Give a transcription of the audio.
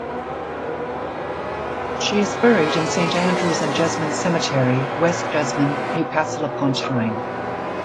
She is buried in Saint Andrew's and Jesmond Cemetery, West Jesmond, Newcastle upon Tyne.